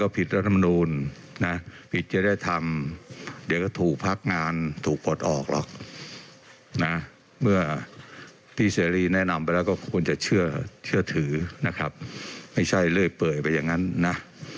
พี่เสรีแนะนำไปแล้วก็ควรจะเชื่อถือนะครับไม่ใช่เลยเปิดไปอย่างนั้นนะ